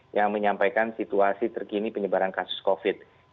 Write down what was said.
yang menyampaikan situasi terkini penyebaran kasus covid sembilan belas